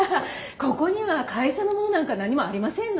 ここには会社のものなんか何もありませんのよ。